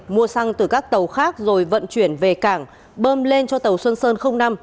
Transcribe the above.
mua xăng từ các tàu khác rồi vận chuyển về cảng bơm lên cho tàu xuân sơn năm